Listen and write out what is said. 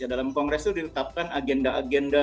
dalam kongres itu diletakkan agenda agenda